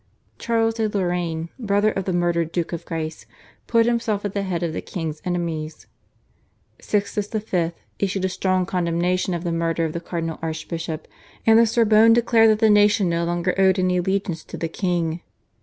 Charles de Lorraine, brother of the murdered Duke of Guise, put himself at the head of the king's enemies. Sixtus V. issued a strong condemnation of the murder of the cardinal archbishop, and the Sorbonne declared that the nation no longer owed any allegiance to the king.